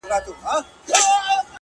o بابا مه گوره، خورجين ئې گوره.